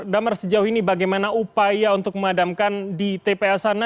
damar sejauh ini bagaimana upaya untuk memadamkan di tpa sana